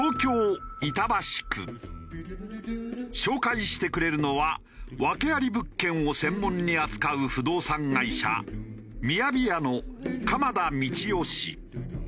紹介してくれるのは訳あり物件を専門に扱う不動産会社雅家の鎌田美智生氏。